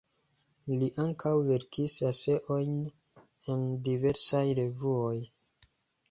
Li ankaŭ verkis eseojn en diversaj revuoj.